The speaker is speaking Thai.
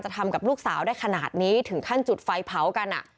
ทำกับลูกสาวได้ขนาดนี้ถึงขั้นจุดไฟเผากัน